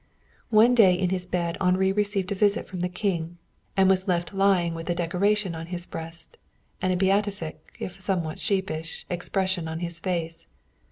One day in his bed Henri received a visit from the King, and was left lying with a decoration on his breast and a beatific, if somewhat sheepish, expression on his face.